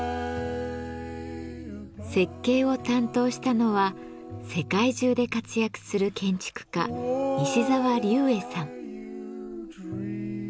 設計を担当したのは世界中で活躍する建築家・西沢立衛さん。